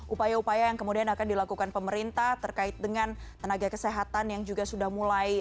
upaya upaya yang kemudian akan dilakukan pemerintah terkait dengan tenaga kesehatan yang juga sudah mulai